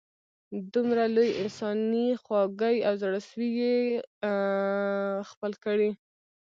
دومره لویې انسانې خواږۍ او زړه سوي یې خپل کړي.